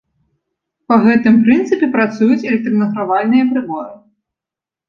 Па гэтым прынцыпе працуюць электранагравальныя прыборы.